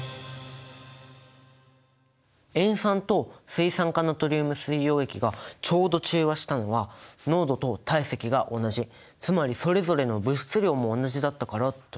塩酸と水酸化ナトリウム水溶液がちょうど中和したのは濃度と体積が同じつまりそれぞれの物質量も同じだったからということ？